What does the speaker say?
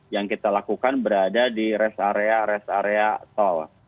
yang kita lakukan berada di rest area rest area tol